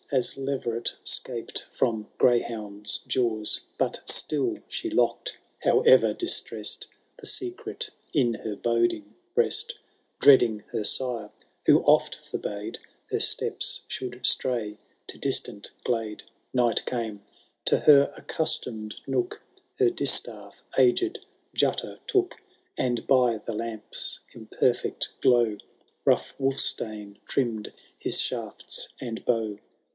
As leveret ^scaped from greyhound^s jaws ; But still she lock'd, however distressed. The secret in her boding breast ; Dreading her sire, who oft forbade Her steps should stray to distant glade. Night came — ^to her accustomed nook Her distaff aged Jutta took. And by the lamp^s imperfect glow, Rough Wulfktane tiimm*d his shafts and bow.